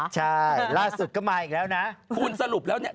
ใช่ล่าสุดก็มาอีกแล้วนะ